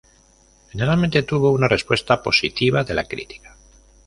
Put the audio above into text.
Generalmente, tuvo una respuesta positiva de la crítica.